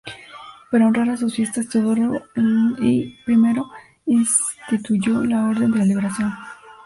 Para honrar a sus fieles, Teodoro I instituyó la Orden de la Liberación.